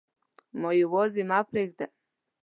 ما یواځي مه پریږده